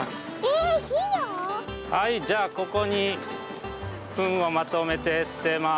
はいじゃあここにふんをまとめてすてます。